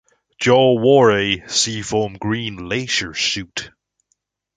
Joe wore "a seafoam green leisure suit".